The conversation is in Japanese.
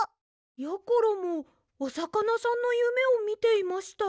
やころもおさかなさんのゆめをみていました。